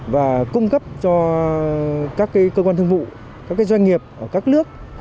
và cung cấp cho các cơ quan thương vụ các doanh nghiệp ở các nước